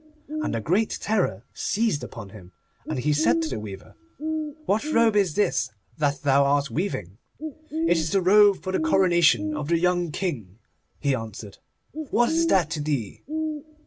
And a great terror seized upon him, and he said to the weaver, 'What robe is this that thou art weaving?' 'It is the robe for the coronation of the young King,' he answered; 'what is that to thee?